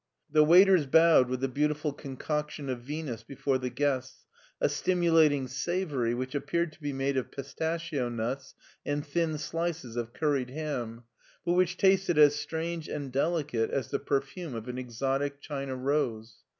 The waiters bowed with the beautiful concoction of Venus before the guests, a stimulating savory which appeared to be made of pistachio nuts and thin slices of curried ham, but which tasted as strange and delicate as the perfume of an exotic China rose.